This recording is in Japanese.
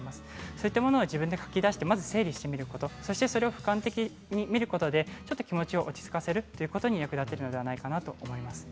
そういったものを自分で書き出して整理するそれを、ふかん的に見ることで気持ちを落ち着かせることに役立てるのではないかなと思います。